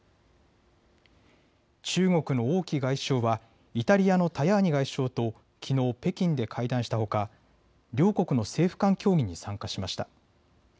中国の王毅外相はイタリアのタヤーニ外相ときのう、北京で会談したほか両国の政府間協議に参加しました。